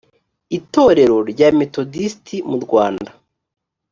itorero rya metodisiti mu rwanda